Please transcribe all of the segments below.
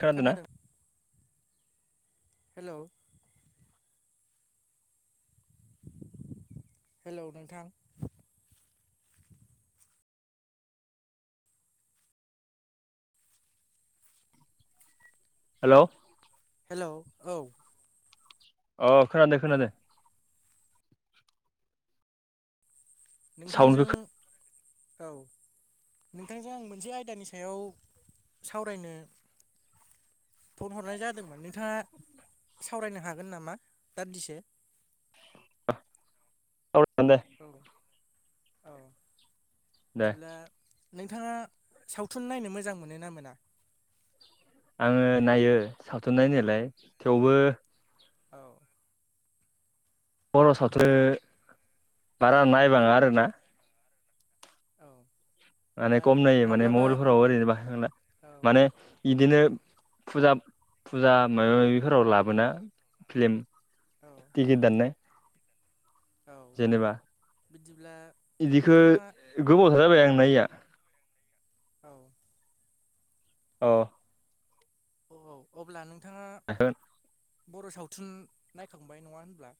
खोनादोंना खोनादों हेल' हेलौ नोंथां हेलौ हेलौ औ अ खोनादों खोनादों साउन्डखौ नोंथांजों औ नोंथांजों आं मोनसे आयदानि सायाव सावरायनो फन हरनाय जादोंमोन नोंथाङा सावरायनो हागोन नामा दान्दिसो [unintelligible] औ औ दे बिदिब्ला नोंथाङा सावथुन नायनो मोजां मोनो ना मोना आङो नायो सावथुन नायनायलाय थेवबो औ। खर'सावथो औ बारा नायबाङो आरोना। औ माने दा खम नायो माने माब्लाबा मबाइलफोराव ओरैनो बाहाय बांला औ माने इदिनो फुजा फुजा माबा माबिफोराव लाबोना फिलिम औ। थिकिट दाननो औ जेनेबा बिदिब्ला [inaudible] इदिखो नोंथाङा गोबावथार जाबाय आं नायिया। औ। अ। औ औ अब्ला नोंथाङा बर' सावथुन नायखांबाय नङा होनब्ला?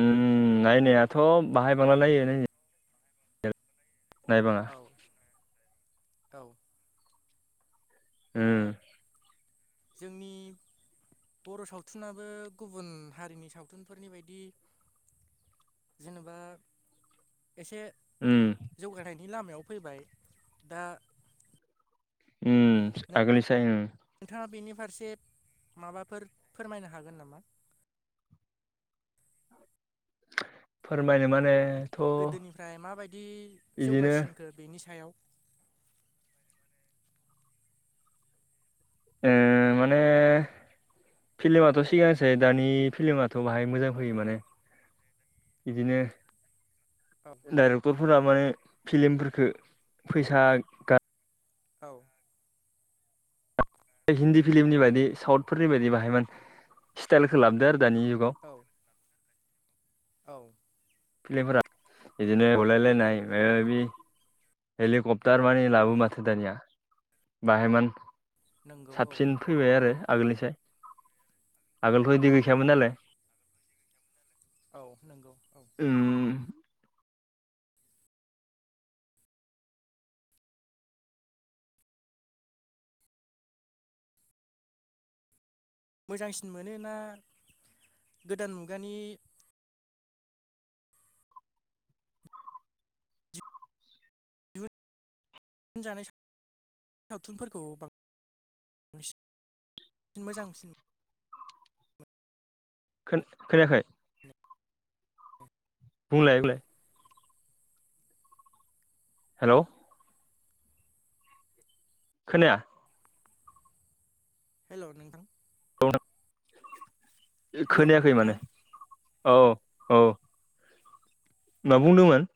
उम नायनायाथ' बाहाय बांला औ नायो नायबाङा औ [inaudible] औ। दा उम [inaudible] जोंनि बर' सावथुनाबो गुबुन हारिनि सावथुनफोरनि बायदि जेनेबा एसे उम। जौगानायनि लामायाव फैबाय दा उम आगोलनिसाय उम। नोंथाङा बेनि फारसे माबाफोर फोरमायनो हागोन नामा? फोरमायनो माने गोदोनिफ्राय माबायदि इदिनो जौगासिनखो बेनि सायाव ओ माने फिल्माथ' सिगांसै दानि फिल्माथ' थ' बाहाय मोजां औ फैयो माने बिदिनो [inaudible] डाइरेक्टरफोरा माने फिलिमफोरखो फैसा औ। उम। हिन्दी फिलिमनि बादि साउथफोरनि बायदि बाहाय माने स्टाइलखौ लाबोदो आरो दानि जुगाव। औ [inaudible] औ। फिलिमफोरा बिदिनो हलायलायनाय ओ माबा माबि हेलकप्टार माने लाबो माथो दानिया बाहेन मान नंगौ औ साबसिन फैबाय आरो औ आगोलनिसाय। आगोलथ' औ बिदि गैखायामोन नालाय। औ नंगौ औ। उम। मोजांसिन मोनोना गोदान मुगानि जानाय साव [inaudible] सावथुनफोरखौ बां सिन मोजांसिन मोनो [inaudible] खोन खोनायाखै? बुंलाय बुंलाय। हेलौ। खोनाया। हेल' नोंथां। [unintelligible] हेल' खोनायाखै माने नोंथां औ औ। मा बुंदोंमोन?